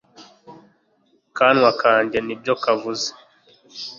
kanwa kanjye n ibyo kavuze